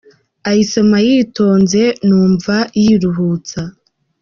Ayisoma yitonze Numva yiruhutsa.